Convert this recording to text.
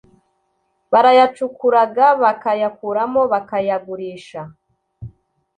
barayacukuraga bakayakuramo bakayagurisha